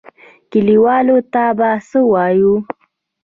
کليوالو ته به څه وايو.